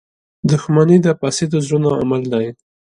• دښمني د فاسدو زړونو عمل دی.